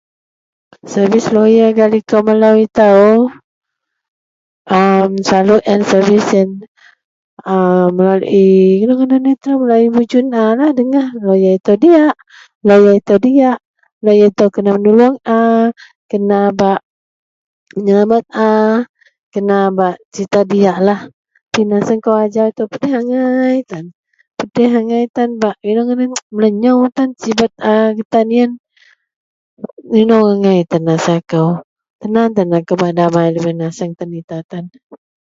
Servis loyar gak likou melou itou, [armmm] selalu en servis en [a] melalui inou ngadan laei mujun a dengah, loyar itou diyak, loyar itou kena menuluong a, kena bak menyelamet a, kena bak cerita diyaklah. Tapi naseng kou ajau itou pedeh angai tan, pedeh angai tan bak inou ngadan melenyou tan sibet a getan yen. Inou angai tan rasa kou tan aan tan rasa damai lubeang naseng tan itou tan